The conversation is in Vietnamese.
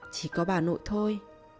chỉ có bà nội thôi